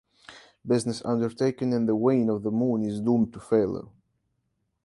Business undertaken in the wane of the moon is doomed to failure.